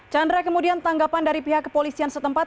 chandra kemudian tanggapan dari pihak kepolisian setempat